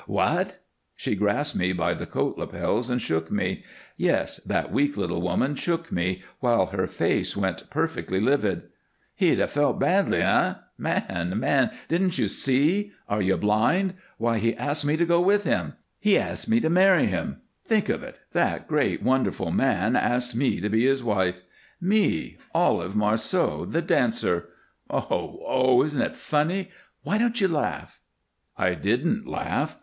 "What!" She grasped me by the coat lapels and shook me. Yes! That weak little woman shook me, while her face went perfectly livid. "'He'd have felt badly,' eh? Man! Man! Didn't you see! Are you blind? Why, he asked me to go with him. He asked me to marry him. Think of it that great, wonderful man asked me to be his wife me Olive Marceau, the dancer! Oh, oh! Isn't it funny? Why don't you laugh?" I didn't laugh.